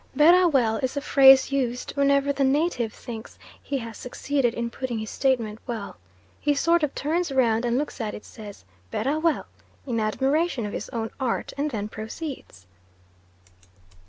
"Berrah well" is a phrase used whenever the native thinks he has succeeded in putting his statement well. He sort of turns round and looks at it, says "Berrah well," in admiration of his own art, and then proceeds.